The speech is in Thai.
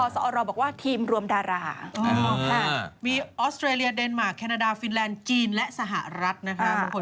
ดำน้ำท่ำมันเหมือนดำน้ำท่ำแนวนแล้วมันคุน